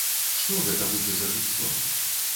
Што гэта будзе за жыццё?